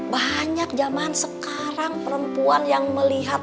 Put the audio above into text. banyak zaman sekarang perempuan yang melihat